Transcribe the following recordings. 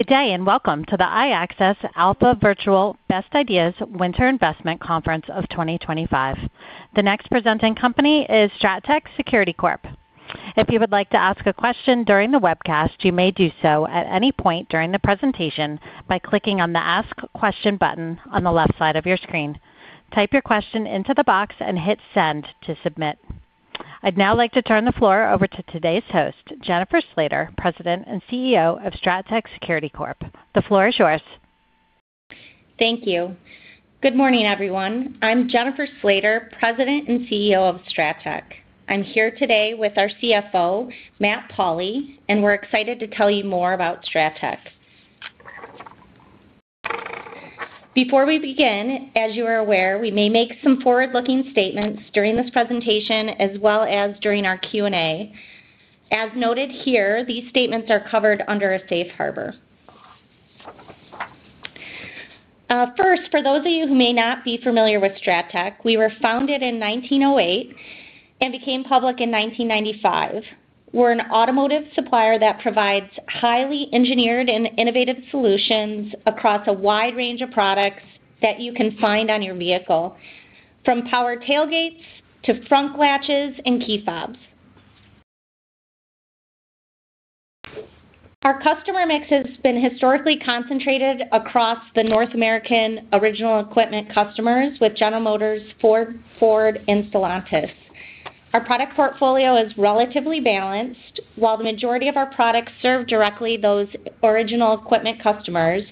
Good day and welcome to the iAccess Alpha Virtual Best Ideas Winter Investment Conference of 2025. The next presenting company is Strattec Security Corp. If you would like to ask a question during the webcast, you may do so at any point during the presentation by clicking on the Ask Question button on the left side of your screen. Type your question into the box and hit send to submit. I'd now like to turn the floor over to today's host, Jennifer Slater, President and CEO of Strattec Security Corp. The floor is yours. Thank you. Good morning, everyone. I'm Jennifer Slater, President and CEO of Strattec. I'm here today with our CFO, Matt Pauli, and we're excited to tell you more about Strattec. Before we begin, as you are aware, we may make some forward-looking statements during this presentation as well as during our Q&A. As noted here, these statements are covered under a safe harbor. First, for those of you who may not be familiar with Strattec, we were founded in 1908 and became public in 1995. We're an automotive supplier that provides highly engineered and innovative solutions across a wide range of products that you can find on your vehicle, from power tailgates to frunk latches and key fobs. Our customer mix has been historically concentrated across the North American original equipment customers with General Motors, Ford, Ford, and Stellantis. Our product portfolio is relatively balanced. While the majority of our products serve directly those original equipment customers,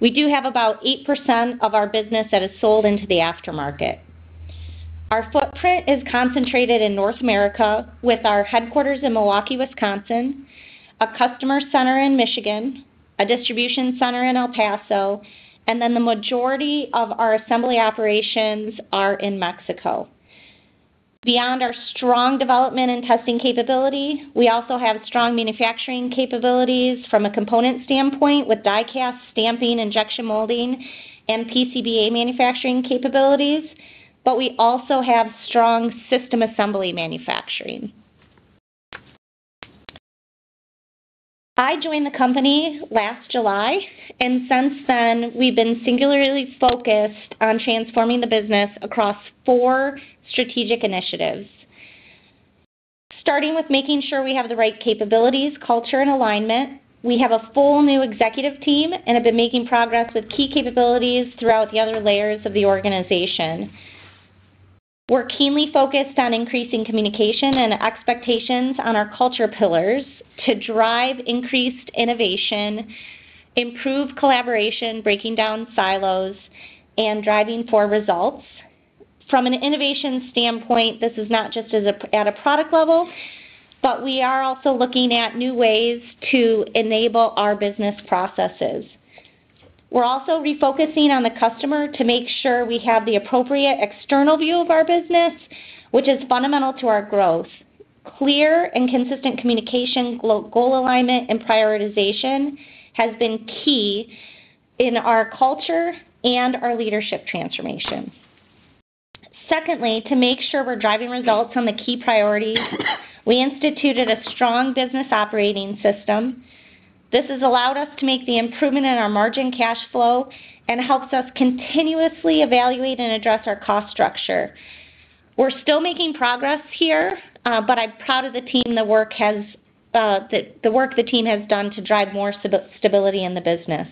we do have about 8% of our business that is sold into the aftermarket. Our footprint is concentrated in North America with our headquarters in Milwaukee, Wisconsin, a customer center in Michigan, a distribution center in El Paso, Texas, and then the majority of our assembly operations are in Mexico. Beyond our strong development and testing capability, we also have strong manufacturing capabilities from a component standpoint with die cast, stamping, injection molding, and PCBA manufacturing capabilities, but we also have strong system assembly manufacturing. I joined the company last July, and since then, we've been singularly focused on transforming the business across four strategic initiatives. Starting with making sure we have the right capabilities, culture, and alignment, we have a full new executive team and have been making progress with key capabilities throughout the other layers of the organization. We're keenly focused on increasing communication and expectations on our culture pillars to drive increased innovation, improve collaboration, break down silos, and drive for results. From an innovation standpoint, this is not just at a product level, but we are also looking at new ways to enable our business processes. We're also refocusing on the customer to make sure we have the appropriate external view of our business, which is fundamental to our growth. Clear and consistent communication, goal alignment, and prioritization have been key in our culture and our leadership transformation. Secondly, to make sure we're driving results on the key priorities, we instituted a strong business operating system. This has allowed us to make the improvement in our margin cash flow and helps us continuously evaluate and address our cost structure. We're still making progress here, but I'm proud of the team, the work the team has done to drive more stability in the business.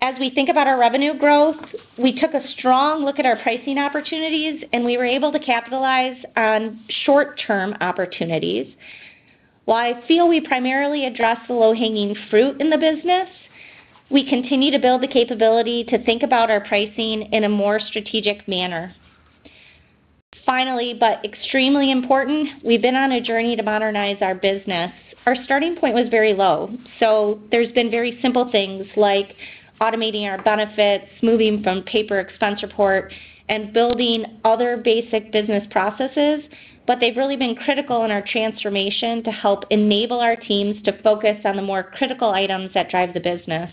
As we think about our revenue growth, we took a strong look at our pricing opportunities, and we were able to capitalize on short-term opportunities. While I feel we primarily address the low-hanging fruit in the business, we continue to build the capability to think about our pricing in a more strategic manner. Finally, but extremely important, we've been on a journey to modernize our business. Our starting point was very low, so there's been very simple things like automating our benefits, moving from paper expense report, and building other basic business processes, but they've really been critical in our transformation to help enable our teams to focus on the more critical items that drive the business.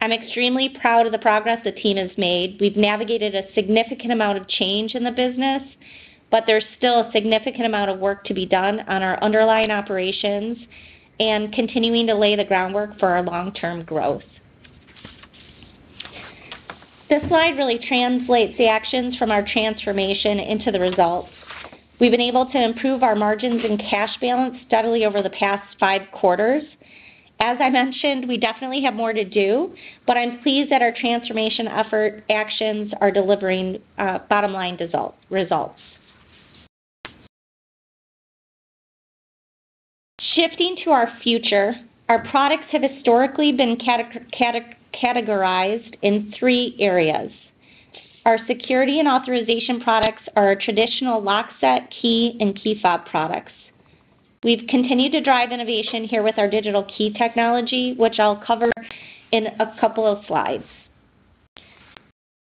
I'm extremely proud of the progress the team has made. We've navigated a significant amount of change in the business, but there's still a significant amount of work to be done on our underlying operations and continuing to lay the groundwork for our long-term growth. This slide really translates the actions from our transformation into the results. We've been able to improve our margins and cash balance steadily over the past five quarters. As I mentioned, we definitely have more to do, but I'm pleased that our transformation effort actions are delivering bottom-line results. Shifting to our future, our products have historically been categorized in three areas. Our security and authorization products are our traditional locksets, key, and key fob products. We've continued to drive innovation here with our digital key technology, which I'll cover in a couple of slides.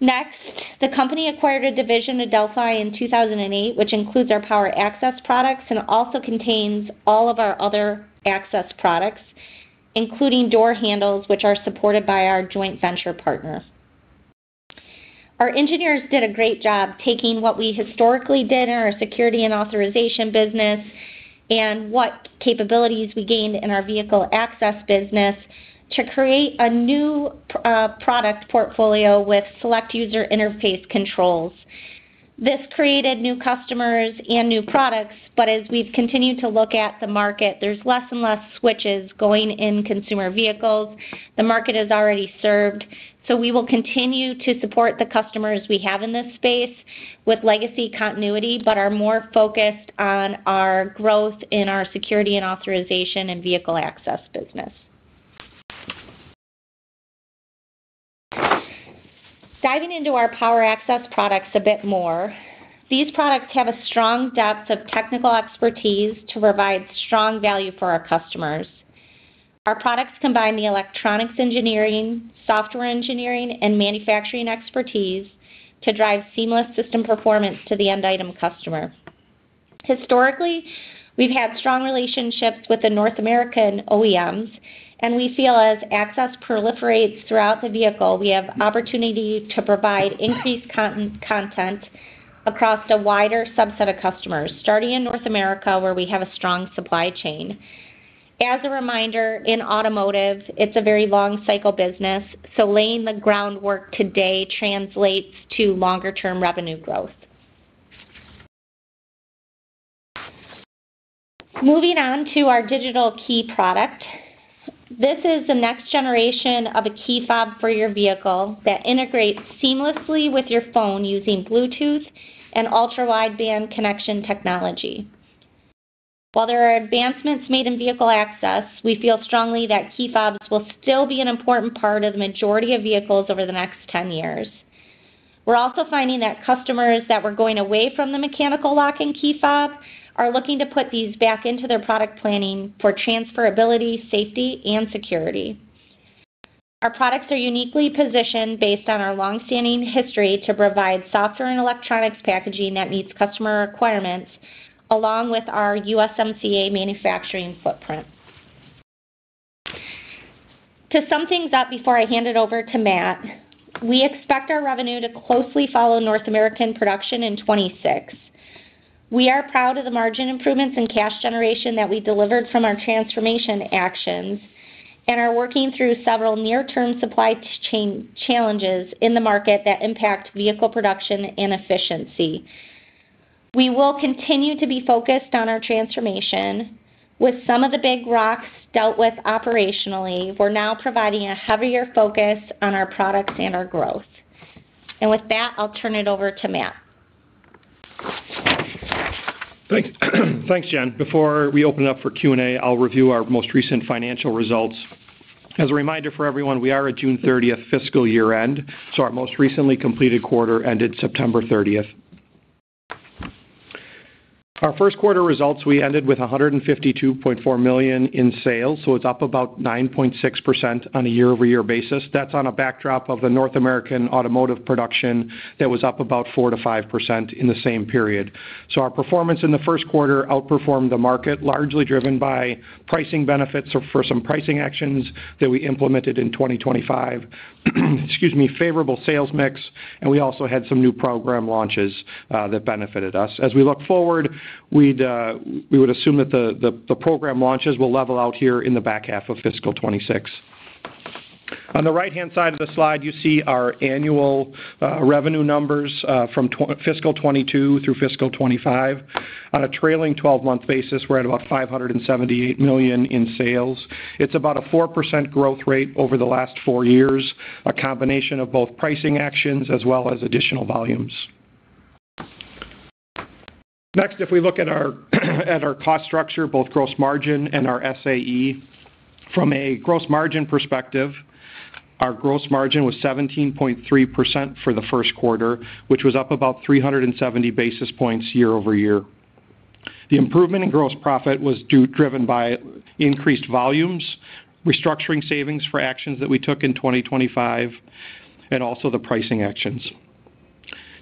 Next, the company acquired a division of Delphi in 2008, which includes our power access products and also contains all of our other access products, including door handles, which are supported by our joint venture partner. Our engineers did a great job taking what we historically did in our security and authorization business and what capabilities we gained in our vehicle access business to create a new product portfolio with select user interface controls. This created new customers and new products, but as we've continued to look at the market, there's less and less switches going in consumer vehicles. The market is already served, so we will continue to support the customers we have in this space with legacy continuity, but are more focused on our growth in our security and authorization and vehicle access business. Diving into our power access products a bit more, these products have a strong depth of technical expertise to provide strong value for our customers. Our products combine the electronics engineering, software engineering, and manufacturing expertise to drive seamless system performance to the end-item customer. Historically, we've had strong relationships with the North American OEMs, and we feel as access proliferates throughout the vehicle, we have opportunity to provide increased content across a wider subset of customers, starting in North America, where we have a strong supply chain. As a reminder, in automotive, it's a very long-cycle business, so laying the groundwork today translates to longer-term revenue growth. Moving on to our digital key product. This is the next generation of a key fob for your vehicle that integrates seamlessly with your phone using Bluetooth and ultra-wideband connection technology. While there are advancements made in vehicle access, we feel strongly that key fobs will still be an important part of the majority of vehicles over the next 10 years. We're also finding that customers that were going away from the mechanical lock and key fob are looking to put these back into their product planning for transferability, safety, and security. Our products are uniquely positioned based on our long-standing history to provide software and electronics packaging that meets customer requirements, along with our USMCA manufacturing footprint. To sum things up before I hand it over to Matt, we expect our revenue to closely follow North American production in 2026. We are proud of the margin improvements and cash generation that we delivered from our transformation actions and are working through several near-term supply chain challenges in the market that impact vehicle production and efficiency. We will continue to be focused on our transformation. With some of the big rocks dealt with operationally, we're now providing a heavier focus on our products and our growth, and with that, I'll turn it over to Matt. Thanks, Jen. Before we open up for Q&A, I'll review our most recent financial results. As a reminder for everyone, we are at June 30th, fiscal year-end, so our most recently completed quarter ended September 30th. Our first quarter results, we ended with $152.4 million in sales, so it's up about 9.6% on a year-over-year basis. That's on a backdrop of the North American Automotive production that was up about 4%-5% in the same period. So our performance in the first quarter outperformed the market, largely driven by pricing benefits for some pricing actions that we implemented in 2025, excuse me, favorable sales mix, and we also had some new program launches that benefited us. As we look forward, we would assume that the program launches will level out here in the back half of fiscal 2026. On the right-hand side of the slide, you see our annual revenue numbers from fiscal 2022 through fiscal 2025. On a trailing 12-month basis, we're at about $578 million in sales. It's about a 4% growth rate over the last four years, a combination of both pricing actions as well as additional volumes. Next, if we look at our cost structure, both gross margin and our SAE, from a gross margin perspective, our gross margin was 17.3% for the first quarter, which was up about 370 basis points year-over-year. The improvement in gross profit was driven by increased volumes, restructuring savings for actions that we took in 2025, and also the pricing actions.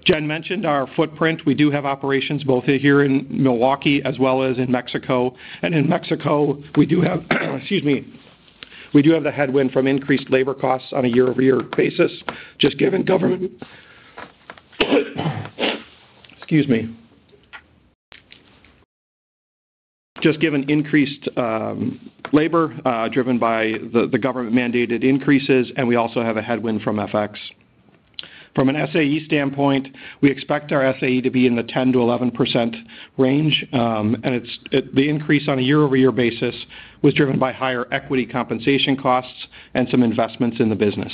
Jen mentioned our footprint. We do have operations both here in Milwaukee as well as in Mexico. In Mexico, we do have the headwind from increased labor costs on a year-over-year basis, just given increased labor driven by the government-mandated increases, and we also have a headwind from FX. From an SAE standpoint, we expect our SAE to be in the 10%-11% range, and the increase on a year-over-year basis was driven by higher equity compensation costs and some investments in the business.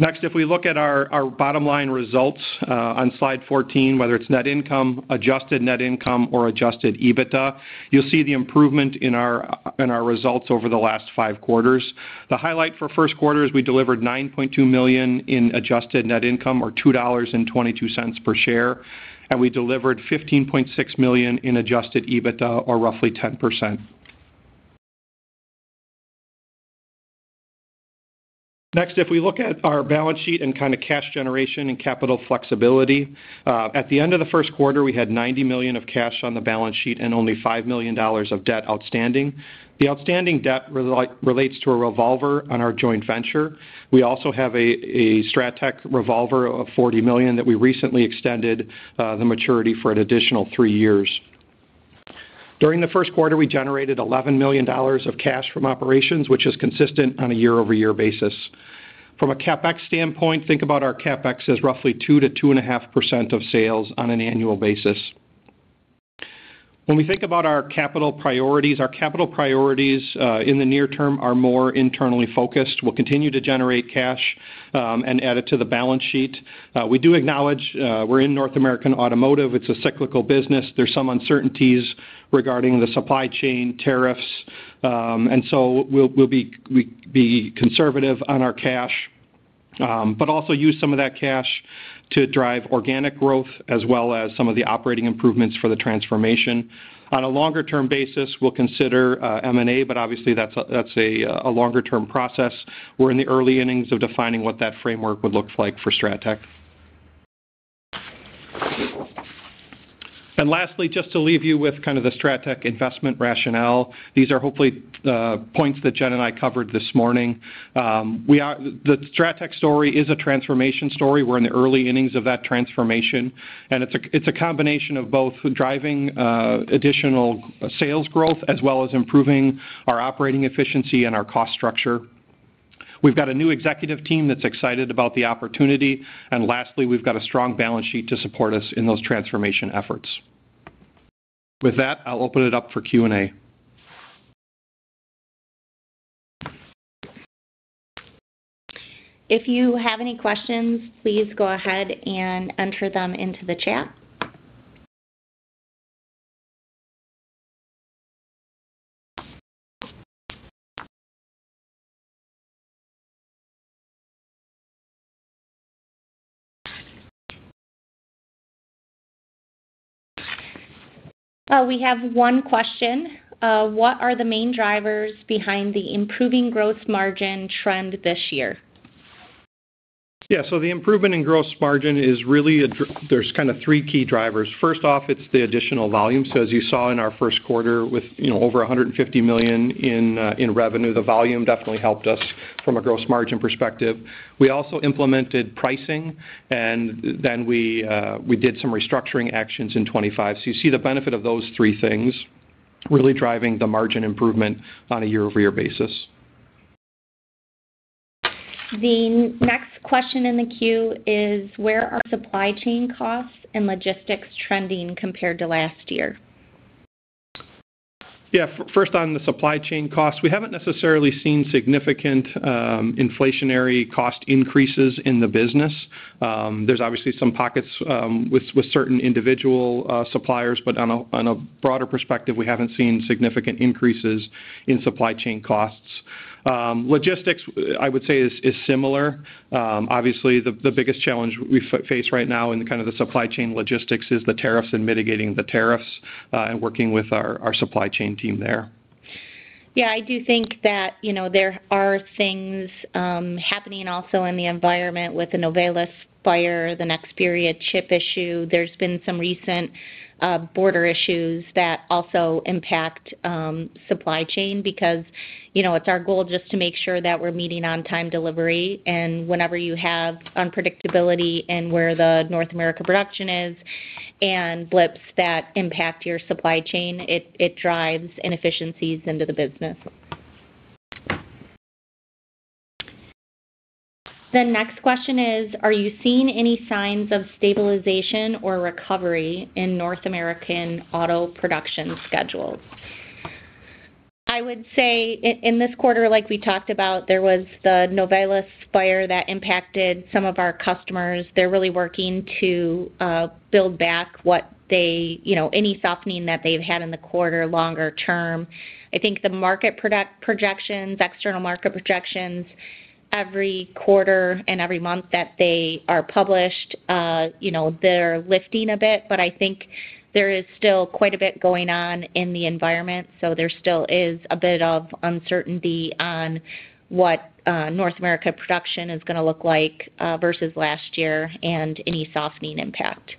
Next, if we look at our bottom-line results on slide 14, whether it's net income, adjusted net income, or adjusted EBITDA, you'll see the improvement in our results over the last five quarters. The highlight for first quarter is we delivered $9.2 million in adjusted net income, or $2.22 per share, and we delivered $15.6 million in adjusted EBITDA, or roughly 10%. Next, if we look at our balance sheet and kind of cash generation and capital flexibility, at the end of the first quarter, we had $90 million of cash on the balance sheet and only $5 million of debt outstanding. The outstanding debt relates to a revolver on our joint venture. We also have a Strattec revolver of $40 million that we recently extended the maturity for an additional three years. During the first quarter, we generated $11 million of cash from operations, which is consistent on a year-over-year basis. From a CapEx standpoint, think about our CapEx as roughly 2%-2.5% of sales on an annual basis. When we think about our capital priorities, our capital priorities in the near term are more internally focused. We'll continue to generate cash and add it to the balance sheet. We do acknowledge we're in North American Automotive. It's a cyclical business. There's some uncertainties regarding the supply chain, tariffs, and so we'll be conservative on our cash, but also use some of that cash to drive organic growth as well as some of the operating improvements for the transformation. On a longer-term basis, we'll consider M&A, but obviously, that's a longer-term process. We're in the early innings of defining what that framework would look like for Strattec. And lastly, just to leave you with kind of the Strattec investment rationale, these are hopefully points that Jen and I covered this morning. The Strattec story is a transformation story. We're in the early innings of that transformation, and it's a combination of both driving additional sales growth as well as improving our operating efficiency and our cost structure. We've got a new executive team that's excited about the opportunity, and lastly, we've got a strong balance sheet to support us in those transformation efforts. With that, I'll open it up for Q&A. If you have any questions, please go ahead and enter them into the chat. We have one question. What are the main drivers behind the improving gross margin trend this year? Yeah, so the improvement in gross margin is really, there's kind of three key drivers. First off, it's the additional volume. So as you saw in our first quarter with over $150 million in revenue, the volume definitely helped us from a gross margin perspective. We also implemented pricing, and then we did some restructuring actions in 2025. So you see the benefit of those three things really driving the margin improvement on a year-over-year basis. The next question in the queue is, where are supply chain costs and logistics trending compared to last year? Yeah, first on the supply chain costs, we haven't necessarily seen significant inflationary cost increases in the business. There's obviously some pockets with certain individual suppliers, but on a broader perspective, we haven't seen significant increases in supply chain costs. Logistics, I would say, is similar. Obviously, the biggest challenge we face right now in kind of the supply chain logistics is the tariffs and mitigating the tariffs and working with our supply chain team there. Yeah, I do think that there are things happening also in the environment with the Novelis fire, the Nexperia chip issue. There's been some recent border issues that also impact supply chain because it's our goal just to make sure that we're meeting on-time delivery, and whenever you have unpredictability in where the North America production is and blips that impact your supply chain, it drives inefficiencies into the business. The next question is, are you seeing any signs of stabilization or recovery in North American auto production schedules? I would say in this quarter, like we talked about, there was the Novelis fire that impacted some of our customers. They're really working to build back what they, any softening that they've had in the quarter longer term. I think the market projections, external market projections, every quarter and every month that they are published, they're lifting a bit, but I think there is still quite a bit going on in the environment. So there still is a bit of uncertainty on what North America production is going to look like versus last year and any softening impact.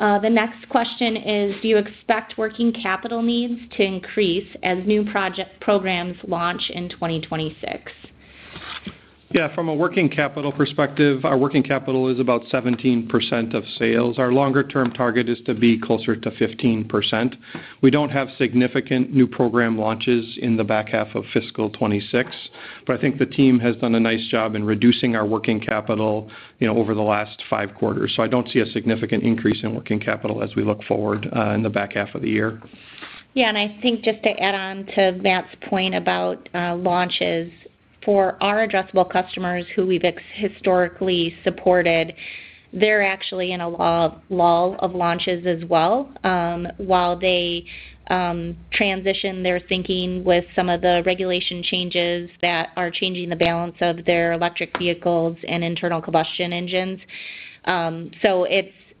The next question is, do you expect working capital needs to increase as new programs launch in 2026? Yeah, from a working capital perspective, our working capital is about 17% of sales. Our longer-term target is to be closer to 15%. We don't have significant new program launches in the back half of fiscal 2026, but I think the team has done a nice job in reducing our working capital over the last five quarters. So I don't see a significant increase in working capital as we look forward in the back half of the year. Yeah, and I think just to add on to Matt's point about launches, for our addressable customers who we've historically supported, they're actually in a lull of launches as well. While they transition their thinking with some of the regulation changes that are changing the balance of their electric vehicles and internal combustion engines, so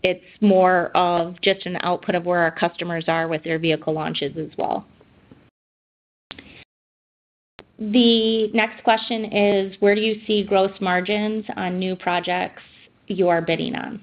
it's more of just an output of where our customers are with their vehicle launches as well. The next question is, where do you see gross margins on new projects you are bidding on?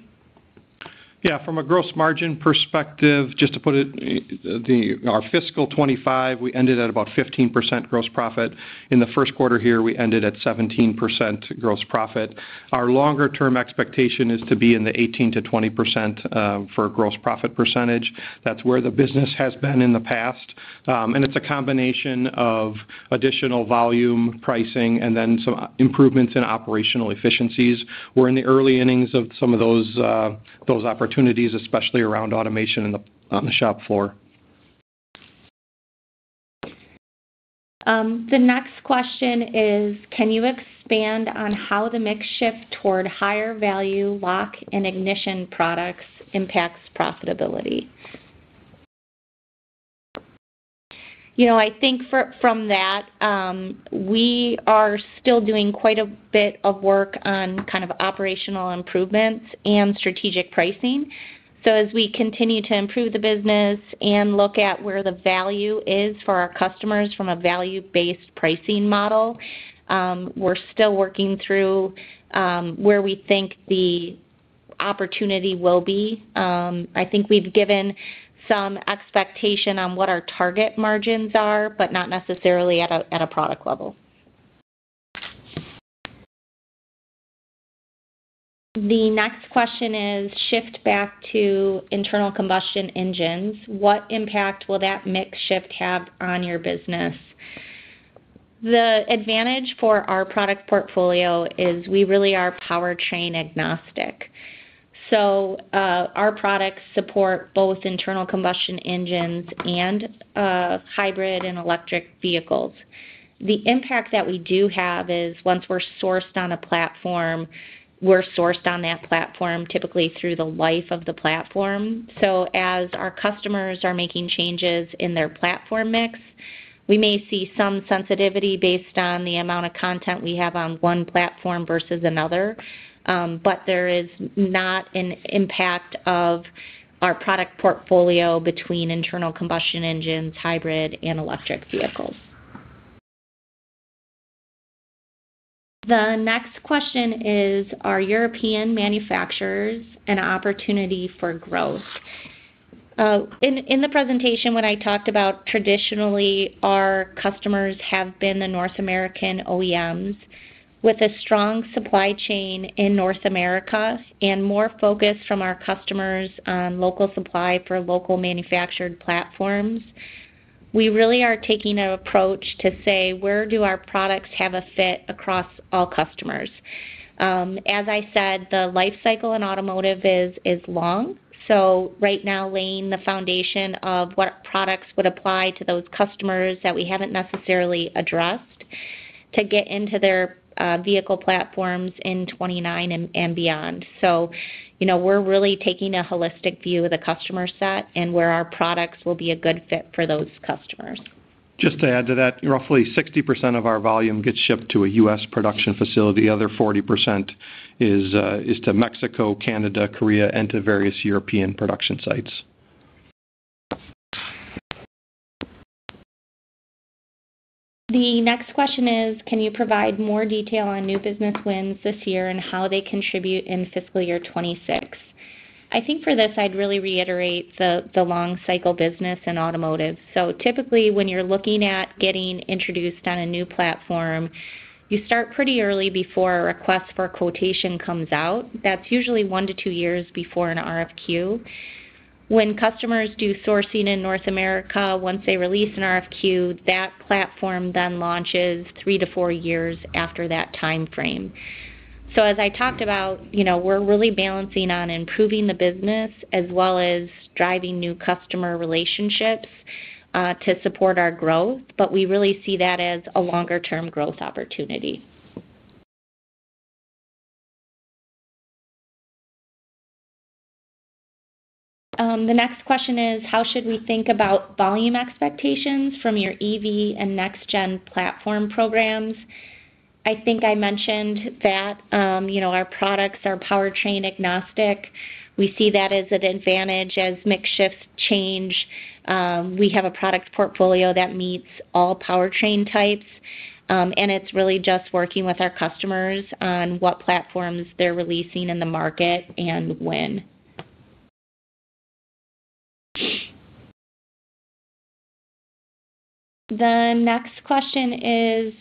Yeah, from a gross margin perspective, just to put it, our fiscal 2025, we ended at about 15% gross profit. In the first quarter here, we ended at 17% gross profit. Our longer-term expectation is to be in the 18%-20% for gross profit percentage. That's where the business has been in the past. And it's a combination of additional volume, pricing, and then some improvements in operational efficiencies. We're in the early innings of some of those opportunities, especially around automation on the shop floor. The next question is, can you expand on how the mix shift toward higher value lock and ignition products impacts profitability? I think from that, we are still doing quite a bit of work on kind of operational improvements and strategic pricing. So as we continue to improve the business and look at where the value is for our customers from a value-based pricing model, we're still working through where we think the opportunity will be. I think we've given some expectation on what our target margins are, but not necessarily at a product level. The next question is, shift back to internal combustion engines. What impact will that mix shift have on your business? The advantage for our product portfolio is we really are powertrain agnostic. So our products support both internal combustion engines and hybrid and electric vehicles. The impact that we do have is once we're sourced on a platform, we're sourced on that platform typically through the life of the platform. So as our customers are making changes in their platform mix, we may see some sensitivity based on the amount of content we have on one platform versus another, but there is not an impact of our product portfolio between internal combustion engines, hybrid, and electric vehicles. The next question is, are European manufacturers an opportunity for growth? In the presentation, when I talked about traditionally, our customers have been the North American OEMs. With a strong supply chain in North America and more focus from our customers on local supply for local manufactured platforms, we really are taking an approach to say, where do our products have a fit across all customers? As I said, the life cycle in automotive is long. Right now, laying the foundation of what products would apply to those customers that we haven't necessarily addressed to get into their vehicle platforms in 2029 and beyond. We're really taking a holistic view of the customer set and where our products will be a good fit for those customers. Just to add to that, roughly 60% of our volume gets shipped to a U.S. production facility. The other 40% is to Mexico, Canada, Korea, and to various European production sites. The next question is, can you provide more detail on new business wins this year and how they contribute in fiscal year 2026? I think for this, I'd really reiterate the long-cycle business in automotive. Typically, when you're looking at getting introduced on a new platform, you start pretty early before a request for quotation comes out. That's usually one to two years before an RFQ. When customers do sourcing in North America, once they release an RFQ, that platform then launches three to four years after that timeframe. So as I talked about, we're really balancing on improving the business as well as driving new customer relationships to support our growth, but we really see that as a longer-term growth opportunity. The next question is, how should we think about volume expectations from your EV and next-gen platform programs? I think I mentioned that our products are powertrain agnostic. We see that as an advantage as mix shifts change. We have a product portfolio that meets all powertrain types, and it's really just working with our customers on what platforms they're releasing in the market and when. The next question is,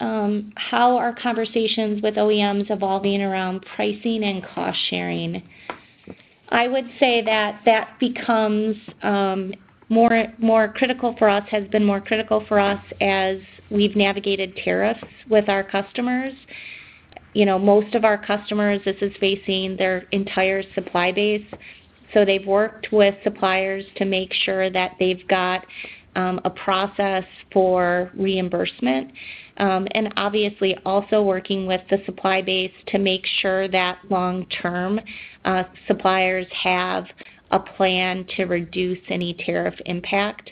how are conversations with OEMs evolving around pricing and cost-sharing? I would say that that becomes more critical for us, has been more critical for us as we've navigated tariffs with our customers. Most of our customers, this is facing their entire supply base. So they've worked with suppliers to make sure that they've got a process for reimbursement, and obviously also working with the supply base to make sure that long-term suppliers have a plan to reduce any tariff impact.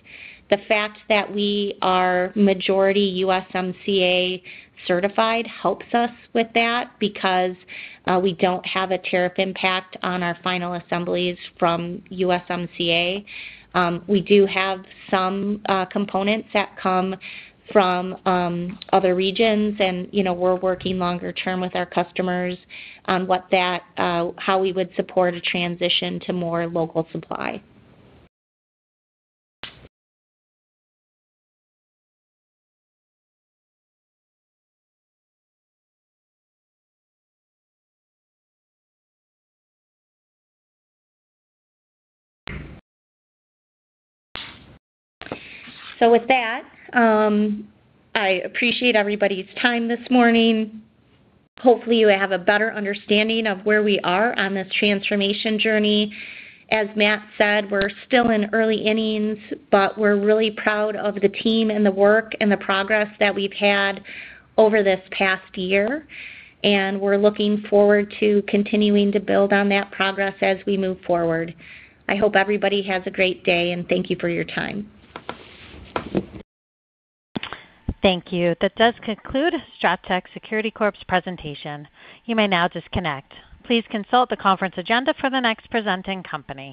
The fact that we are majority USMCA certified helps us with that because we don't have a tariff impact on our final assemblies from USMCA. We do have some components that come from other regions, and we're working longer term with our customers on how we would support a transition to more local supply, so with that, I appreciate everybody's time this morning. Hopefully, you have a better understanding of where we are on this transformation journey. As Matt said, we're still in early innings, but we're really proud of the team and the work and the progress that we've had over this past year, and we're looking forward to continuing to build on that progress as we move forward. I hope everybody has a great day, and thank you for your time. Thank you. That does conclude Strattec Security Corporation's presentation. You may now disconnect. Please consult the conference agenda for the next presenting company.